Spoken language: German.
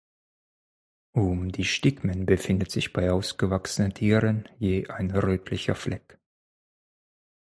Um die Stigmen befindet sich bei ausgewachsenen Tieren je ein rötlicher Fleck.